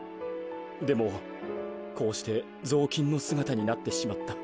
でもこうしてぞうきんのすがたになってしまった。